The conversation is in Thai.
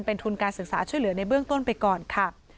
เป็นทุนการศึกษาช่วยเหลือในเบื้องต้นไปก่อนค่ะ